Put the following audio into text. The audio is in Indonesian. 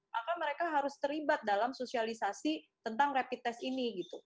maka mereka harus terlibat dalam sosialisasi tentang rapid test ini